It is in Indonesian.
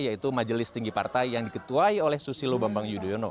yaitu majelis tinggi partai yang diketuai oleh susilo bambang yudhoyono